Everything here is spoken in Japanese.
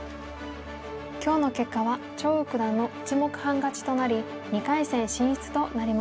今日の結果は張栩九段の１目半勝ちとなり２回戦進出となりました。